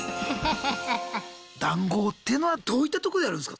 談合っていうのはどういったとこでやるんすか？